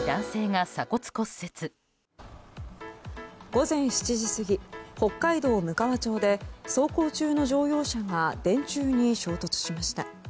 午前７時過ぎ北海道むかわ町で走行中の乗用車が電柱に衝突しました。